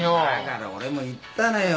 だから俺も言ったのよ。